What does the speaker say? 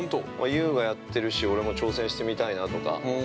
◆優がやってるし俺も挑戦してみたいなとか。